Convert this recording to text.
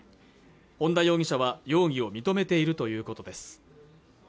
本田容疑者は容疑を認めているということです